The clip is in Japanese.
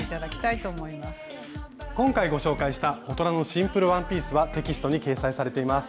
今回ご紹介した大人のシンプルワンピースはテキストに掲載されています。